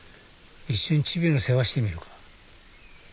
一緒にチビの世話してみるか？